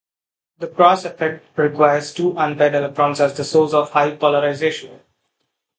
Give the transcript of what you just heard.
The cross effect requires two unpaired electrons as the source of high polarization.